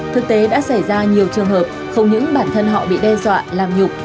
thực tế đã xảy ra nhiều trường hợp không những bản thân họ bị đe dọa làm nhục